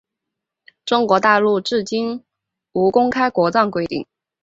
中国大陆至今无公开国葬规定。